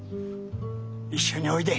一緒においで。